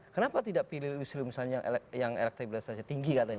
kenapa tidak pilih listrik misalnya yang elektriklis tinggi katanya